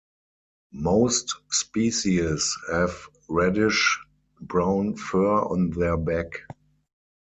Most species have reddish brown fur on their back.